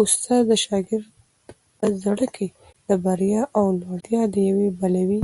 استاد د شاګرد په زړه کي د بریا او لوړتیا ډېوې بلوي.